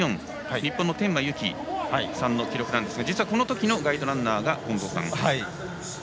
日本の天摩由貴さんの記録なんですが実はこのときのガイドランナーが近藤さんです。